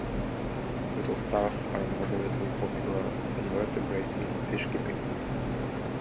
Brittle stars are a moderately popular invertebrate in fishkeeping.